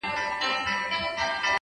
o په سپين لاس کي يې دی سپين سگريټ نيولی؛